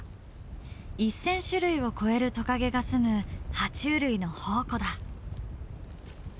１，０００種類を超えるトカゲがすむ爬虫類の宝庫だ。